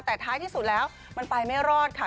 แต่ท้ายที่สุดแล้วมันไปไม่รอดค่ะ